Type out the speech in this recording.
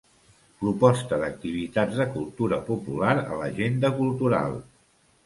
Proposta d'activitats de Cultura popular a l'Agenda Cultural.